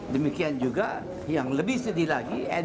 demikian juga yang lebih sedih lagi n dua ratus lima puluh